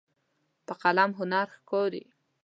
په قلم هنر ښکاري.